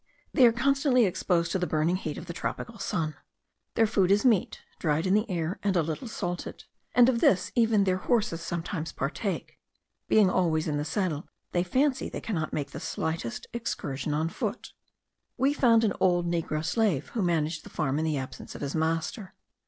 They are constantly exposed to the burning heat of the tropical sun. Their food is meat, dried in the air, and a little salted; and of this even their horses sometimes partake. Being always in the saddle, they fancy they cannot make the slightest excursion on foot. We found an old negro slave, who managed the farm in the absence of his master.